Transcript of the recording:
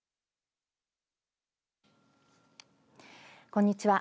こんにちは。